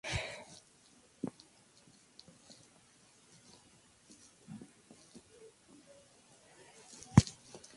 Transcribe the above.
La oposición binaria "federalismo" versus "unitarismo" es confusa y excesivamente simplista.